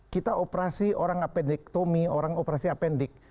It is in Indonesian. kita operasi orang appendiktomi orang operasi appendik